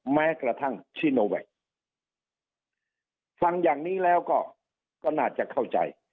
แม้กระทั่งชิโนแวคฟังอย่างนี้แล้วก็ก็น่าจะเข้าใจ